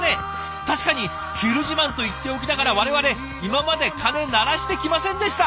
確かに「ひる自慢」と言っておきながら我々今まで鐘鳴らしてきませんでした。